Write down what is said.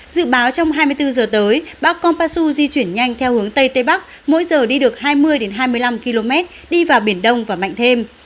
dự báo trong hai mươi bốn giờ tới bão conpasu di chuyển nhanh theo hướng tây tây bắc mỗi giờ đi được hai mươi hai mươi năm km đi vào biển đông và mạnh thêm